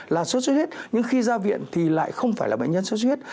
là sốt huyết nhưng khi ra viện thì lại không phải là bệnh nhân sốt huyết